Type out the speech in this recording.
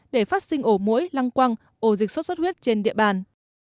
để phát sinh ổ mũi lăng quăng ổ dịch sốt xuất huyết trên địa bàn